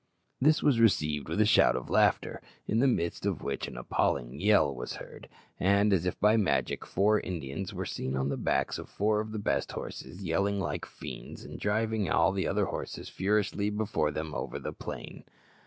This was received with a shout of laughter, in the midst of which an appalling yell was heard, and, as if by magic, four Indians were seen on the backs of four of the best horses, yelling like fiends, and driving all the other horses furiously before them over the plain!